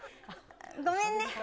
ごめんね。